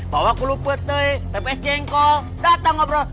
bawa kulupet tepes jengkol datang ngobrol